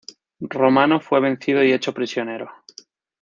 Romano fue vencido y hecho prisionero.